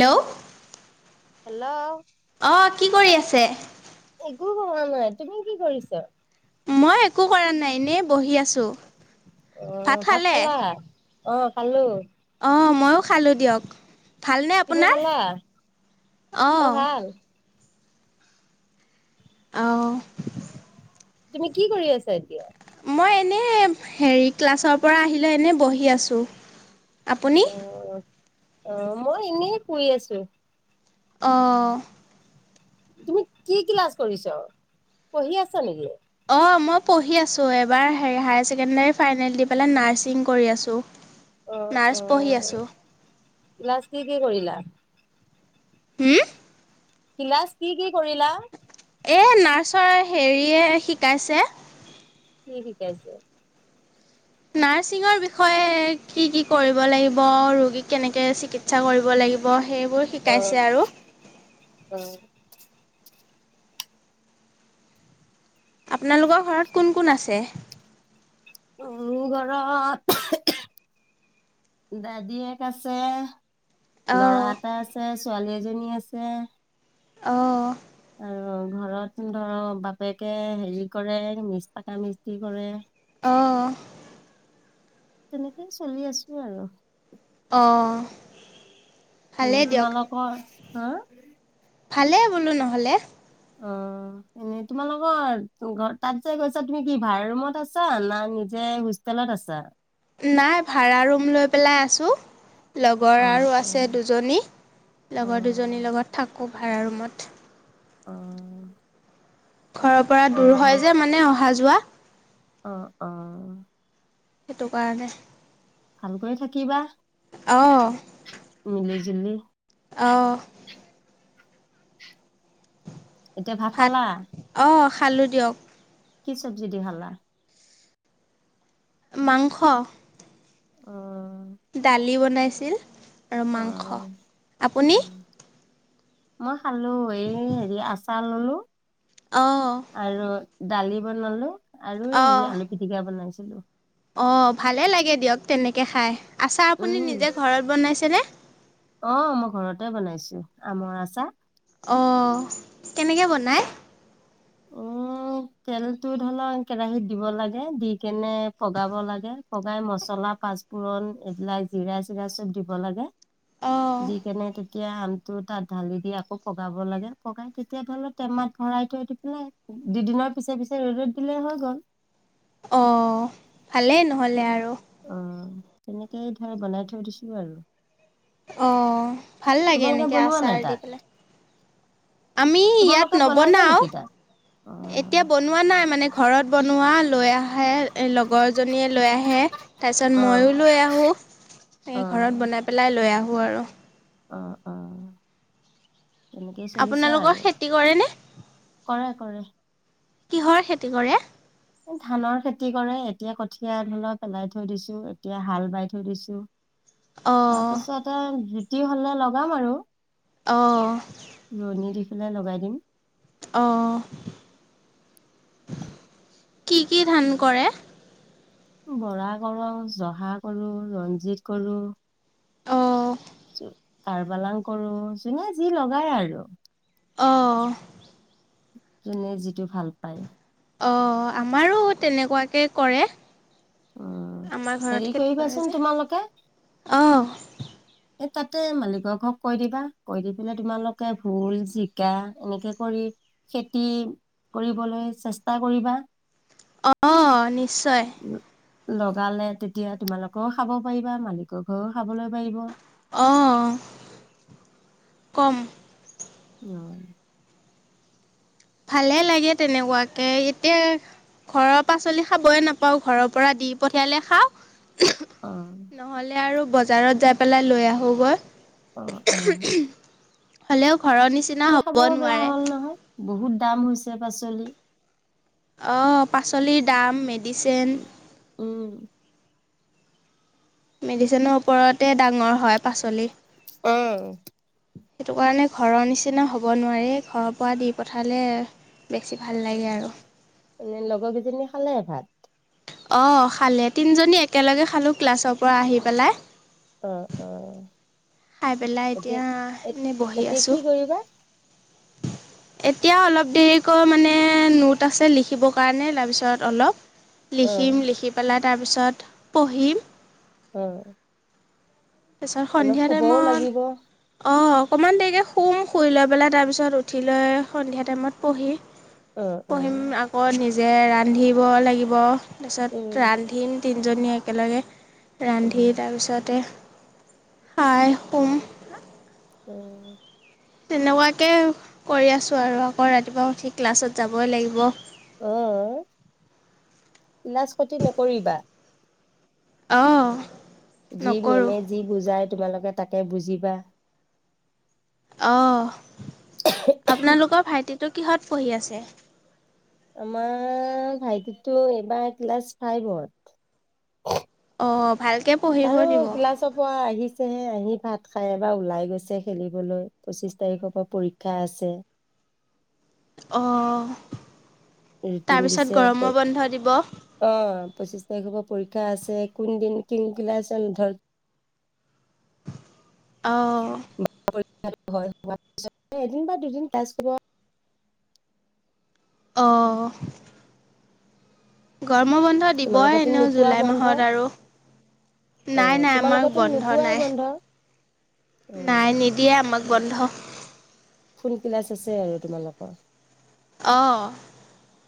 Hello. Hello. অ' কি কৰি আছে? একো কৰা নাই, তুমি কি কৰিছা? মই একো কৰা নাই, এনেয়ে বহি আছো। অ' ভাত খালা? অ' খালো। অ' মইও খালোঁ দিয়ক, ভালনে তুমি আপোনাৰ? খালা অ অহ। ভাল অ। তুমি কি কৰি আছা এতিয়া? মই এনেই, হেৰি ক্লাছৰ পৰা আহিলে এনেই বহি আছো। আপুনি? অ অ' মই এনেই শুই আছো। অ। তুমি কি ক্লাছ কৰিছ, পঢ়ি আছা নেকি? অ' মই পঢ়ি আছো, এইবাৰ হায়াৰ ছেকেণ্ডাৰীৰ ফাইনেল দি পেলাই নাৰ্চিং কৰি আছো। অ, অ। ক্লাছ কি কি কৰিলা? হম? ক্লাছ কি কি কৰিলা? এই নাৰ্চৰ হেৰিয়ে শিকাইছে। কি শিকাইছে। নাৰ্চিংৰ বিষয়ে কি, কি কৰিব লাগিব ৰোগীক কেনেক। চিকিৎসা কৰিব লাগিব, সেইবোৰ অ শিকাইছে আৰু। অ আপোনালোকৰ ঘৰত কোন কোন আছে? মোৰ ঘৰত, দাদিয়েক আছে। লৰা অঁ এটা আছে ছো। ছোৱালী এজনীও আছে। অহ। আৰু ঘৰত ধৰ বাপেকে, হেৰি কৰে মিছ পাকা মিস্ত্ৰী কৰে। অ। তেনেকেই চলি আছো আৰু। অ। উম তোমালোকৰ, হা? ভালে বোলো নহ'লে অ এনে তোমালোকৰ ঘ তাত যে গৈছা তুমি কি ভাড় ৰুমত আছা না নিজে হোষ্টেলত আছা নাই ভাড়া ৰুম লৈ পেলাই আছোঁ। লগৰ অ আৰু অ আছে দুজনী অ লগৰ দুজনীৰ লগত থাকো কু ভাড়া ৰুমত,। অ ঘৰৰ পৰা এনে দূৰ ভাল হয় যে মানে অ,। ভাল যোৱা'। অ, অ। সেইটো কাৰণে'। ভালকৈ থাকিবা অ। মিলি জুলি অ'। এতিয়া ভাত খালা? অঁ খালোঁ দিয়ক। কি চবজি দি খালা মাংস'। অ, দালি বনাইছিল। আৰু অ মাংস আপুনি? মাহ, খালো এই হেৰি আছ'। চাহ ল'লো অ' আৰু দালি বনালো। আৰু হেৰি অ'। আলু পিটিকা বনাইছো। [unintelligible] অ ভালে লাগে দিয়ক তেনেকে খাই। আচাৰ আপুনি উম নিজে ঘৰত বনাইছেনে? আহ মই ঘৰতে বনাইছো আমৰ আছা। অ কেনেকে বনাই তেলতটো ধৰি লওক কেৰাহীত দিব লাগে দি কেনে পগাব লাগে পগাই মছলা পাঁচফোৰণ এইবিলাক জিৰা চিৰা চব দিব লাগে। অ', যি কেনে ত' তেতিয়া আমটো তাত ঢালি দি আকৌ পগাব লাগে পগাই তেতিয়া ধৰি লক টেমাত ভৰাই থৈ দি পেলাই দুদিনৰ'। পিছে পিছে ৰ'দত দিলে হৈ গ'ল। অ ভালেই নহলে আৰু, অ' তেনেকেই ধৰে বনাই থৈ দিছো আৰু, অ ভাল লাগে তোমালোকে এনেকে বনোৱা নাই আচাৰ দি তাত? পেলাই, আমি ইয়াত তোমালোকে বনাইছা নবনাওঁ, নেকি তাত? অ এতিয়া বনোৱা নাই মানে ঘৰত বনোৱা লৈ আহে এই লগৰজনীয়ে লৈ আহে, তাৰপিছত অ ময়ো লৈ আহোঁ, অ এই ঘৰত বনাই পেলাই লৈ, আহোঁ [unintelligible] অ', অ'। তেনেকেই চলিছে আপোনালোকৰ আৰু। খেতি কৰেনে? কৰে, কৰে। কিহৰ খেতি কৰে? ধানৰ খেতি কৰে, এতিয়া কঠীয়া ধানৰ পেলাই থৈ দিছোঁ, এতিয়া হাল বাই থৈ, দিছোঁ। অ', তাৰপিছত আৰু [unintelligible] তি হলে লগাম আৰু অ' [unintelligible] লগাই দিম। অ', কি কি ধান কৰে? বৰা কৰোঁ, জহা কৰোঁ, ৰঞ্জিত কৰোঁ অ', চব কাৰবাদাম কৰোঁ, জোনে যি লগাই আৰু অ' জোনে যিটো ভাল পায় অ', আমাৰো তেনেকুৱাকৈ কৰে উম আমাৰ হেৰি ঘৰত খেতি কৰে কৰিবাচোন যে, তোমালোকে অ এই তাতে মালিকৰ ঘৰক কৈ দিবা, কৈ দি পেলাই তোমালোকে ভোল, জিকা এনেকে কৰি খেতি কৰিবলৈ চেষ্টা কৰিবা। অ', নি চয়। ল- লগালে তেতিয়া তোমালোকেও খাব পাৰিবা, মালিকৰ ঘৰেও খাবলৈ পাৰিব। অ', কম। অ' ভালে লাগে তেনেকুৱাকে, এতিয়া ঘৰৰ পাচলি খাবই নাপাওঁ, ঘৰৰ পৰা দি পঠিয়ালে খাওঁ অ নহলে আৰু বজাৰত যাই পেলাই লৈ আহোঁগৈ। অ', অ'। হেল্ল'। ঘৰৰ নিচিনা এই হ'ব খাবও বেয়া নোৱাৰে। হ'ল নহয় বহুত দাম হৈছে পাচলি। অ', পাচলিৰ দাম উম [unintelligible] উম মেডিচিনৰ ওপৰতে ডাঙৰ হয় পাচলি। অ'। সেইটো কাৰণে ঘৰৰ নিচিনা হ'ব নোৱাৰে, ঘৰৰ পৰা দি পঠালে বেছি ভাল লাগে আৰু। এনে লগৰ কেইজনীয়ে খালে ভাত? অ খালে তিনিজনী একেলগে খালো ক্লাছৰ পৰা আহি পেলাই। অ অ। খাই পেলাই এতিয়া এ- এনেই বহি এতিয়া আছো। কি কৰিবা এতিয়া অলপ দেৰিকৈ মানে নোট আছে লিখিবৰ কাৰণে তাৰপিছত অলপ অ লিখিম লিখি পেলাই তাৰ পিছ তাত পঢ়িম। অ। তাৰ পিছত সন্ধিয়াত ব লাগিব অ অকণমান দেৰিকৈ শুম শুই লৈ পেলাই তাৰপিছত উঠি লৈ সন্ধিয়া টাইমত পঢ়ি অ পঢ়িম অ আকৌ নিজ যে ৰান্ধিব লাগিব। উম তাছত ৰান্ধিম। তিনিজনীয়ে একেলগে ৰান্ধি উম তাৰপিছতে সাই সোম উম। তেনেকুৱাকে কৰি আছোঁ আৰু আকৌ ৰাতিপুৱা উঠি ক্লাছত যাবই লাগিব। ক্লাছত ক্ষতি নকৰিবা অ, যি মেমে যি বুজাই তোমালোকে তাকে বুজিবা অ', আপোনালোকৰ ভাইটি কিহত পঢ়ি আছে? আমাৰ ভাইটিটো এইবাৰ ক্লাছ ফাইভত। অহ ভালকে পঢ়িব তাৰো দিব। ক্লাছৰ পৰা আহিছেহে আহি ভাত খাই এবাৰ ওলাই গৈছে খেলিবলৈ পঁচিশ তাৰিখৰ পৰা পৰীক্ষা আছে। অ, ৰুটিন দিছে অ দিব পঁচিশ তাৰিখ পৰা পৰীক্ষা আছে, কোন দিন [unintelligible] অ'হ। হয়, পিছত এদিন বা দুদিন ক্লাছ হ'ব। অ'। গৰম বন্ধ দিবই তোমালোকেতো এনেও নোপোৱা জুলাই বন্ধ মাহত আৰু, অ নাই নাই আমাক তোমালোকেতো বন্ধ নোপোৱাই নাই, বন্ধ নাই উম, নিদিয়ে আমাক তোমালোক বন্ধ। ফুল ক্লাছ আছে আৰু তোমালোকৰ। অ',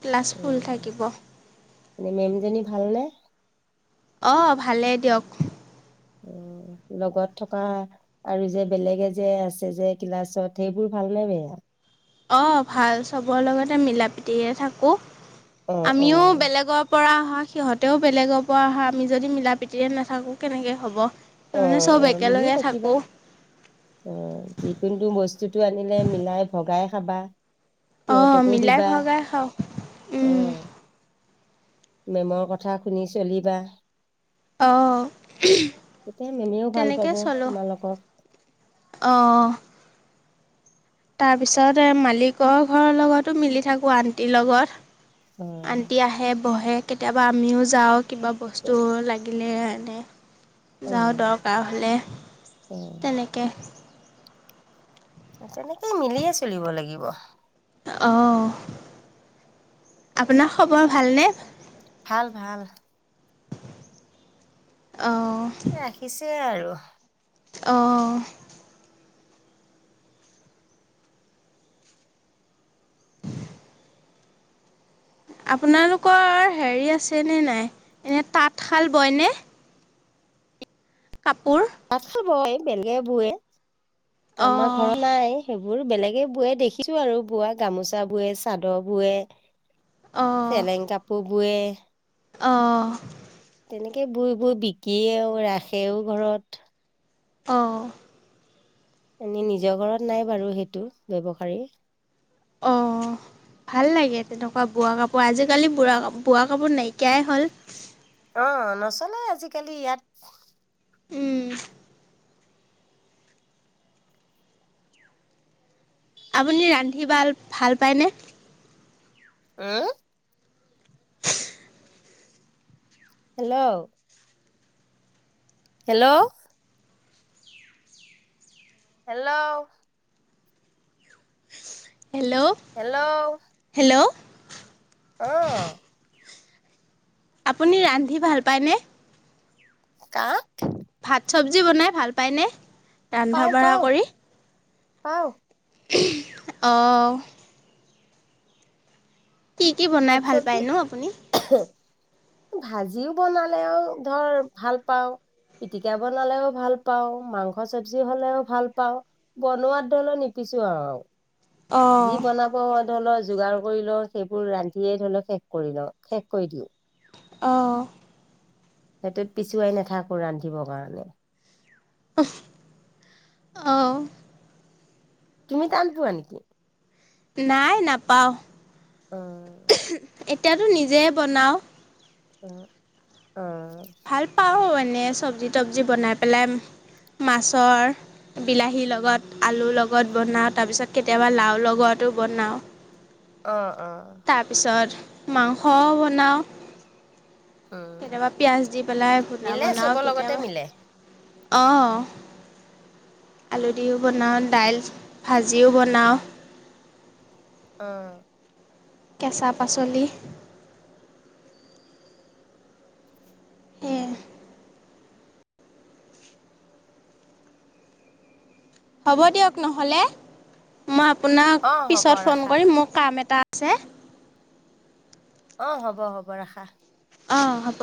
ক্লাছ ফুল উম, থাকিব। এনে মেমজনী ভালনে? অ', ভালেই দিয়ক। লগত থকা আৰু যে বেলেগে যে আছে যে ক্লাছত সেইবোৰ ভালনে বেয়া? অ', ভাল চবৰ লগতে মিলা প্ৰীতিৰে থাকো। অ', আমিও অ', বেলেগৰ পৰা অ', সিহঁতেও বেলেগৰ পৰা অহা আমি যদি মিলা প্ৰীতিৰে নাথাকোঁ কেনেকৈ হ'ব। তাৰমানে অ', চব অ', মিলি একেলগে থাকিবা থাকোঁ অ যিকোনো বস্তুটো আনিলে মিলাই ভগাই। খাবা। অ', সিহঁতকো মিলাই দিবা ভগাই খাওঁ, উম। অ', মেমৰ কথা শুনি চলিবা। তেতিয়া মেমেও ভাল অ'তেনেকে পাব চলো, তোমালোকক অ'। তাৰ পিছত এ মালিকৰ ঘৰৰ লগতো মিলি থাকো, আন্টিৰ লগত। অ', আন্টি আহে, বহে। কেতিয়াবা আমিও যাওঁ। কিবা বস্তু অ', লাগি [unintelligible] যাওঁ অ', দৰকাৰ হ'লে, তেনেকে। তেনেকেই মিলিয়ে চলিব লাগিব। অ' আপোনাৰ খবৰ ভালনে? ভাল, ভাল। অঁ ৰাখিছে আৰু। [inaudible] অ'। আপোনালোকৰ হেৰি আছেনে নাই, এনে তাঁতশাল বয়নে? কাপোৰ। তাঁতশাল বোৱ, বেলেগে বুৱে। আমাৰ অঁ ঘৰত নাই সেইবোৰ। বোৰ বেলেগে বোৱে দেখিছো আৰু বোৱা গামোচা বৱে চাদৰ বোৱে। চেলেংকাপুৰ। বুৱে। অ'। তেনেকে বুই বুই বিকিয়েও, ৰাখেও ঘৰত। অ'। এনেই নিজৰ ঘৰত নাই বাৰু সেইটো ব্যৱসাৰী। অ', ভাল লাগে তেনেকুৱা বোৱা কাপোৰ, আজিকালি বুঢ়া বোৱা কাপোৰ নাইকিয়াই হ'ল। অ', নচলে আজিকালি ইয়াত। উম। আপুনি ৰান্ধি বাল ভাল পায়নে? উহ। হেল্ল'। হেল্ল'। হেল্ল'। হেল্ল'-হেল্ল'। অহ। আপুনি ৰান্ধি ভাল পায়নে? কাক। ভাত চবজি বনাই ভাল পাইনে? পাওঁ ৰন্ধা-বঢ়া পাওঁ কৰি পাওঁ। অ'। কি কি বনাই শাক ভাল পায়নো চবজি আপুনি? ভাজিও বনালেও ধৰ ভালপাওঁ, পিটিকা বনালেও ভাল পাওঁ, মাংস চবজি হ'লেও ভাল পাওঁ, বনোৱাত ধৰিলেও নিপিছোৱাও আৰু অঁ যি বনা পো ধৰি লও, যোগাৰ কৰি লো, সেইবোৰ ৰান্ধিয়ে ধৰি লও শেষ কৰি ল' শেষ কৰি দিও। অ'। সেইটোত পিছুৱাই নাথাকো ৰান্ধিবৰ কাৰণে। অহ। তুমি টান পোৱা নেকি? নাই নাপাওঁ। এ অ', এতিয়াতো নিজে বনাও। অ'। ভাল পাওঁ। এনে চবজি -তবজি বনাই পেলাই মাছৰ, বিলাহীৰ লগত আলুৰ লগত বনাও, তাৰপিছত কেতিয়াবা লাওৰ লগতো বনাও। অ'। অ', তাৰপিছত মাংস বনাও। উম। কেতিয়াবা পিয়াজ দি পেলাই ঘূণা মিলে বনাও চবৰ লগতে মিলে কেতিয়াবা অ' আলু দিও বনাও, দাইল ভাজিও বনাও। অহ। কেঁচা-পাচলি। সেয়ে হ'ব দিয়ক নহ'লে মই আপোনাক অ', হ'ব পিছত ফোন ৰাখা। কৰিম, মোৰ কাম এটা ছে অ' হ'ব, হ'ব ৰাখা। অ' হ'ব।